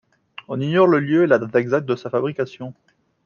On ignore le lieu et la date exacte de sa fabrication.